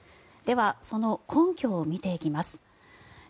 では、その根拠を見ていきます。